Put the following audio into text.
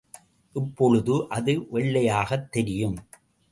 இப்பொழுது அது வெள்ளையாகத் தெரியும்.